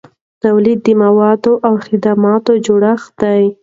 تولید د موادو او خدماتو جوړښت دی.